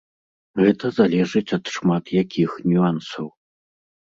Гэта залежыць ад шмат якіх нюансаў.